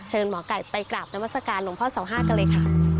หมอไก่ไปกราบนวัศกาลหลวงพ่อเสาห้ากันเลยค่ะ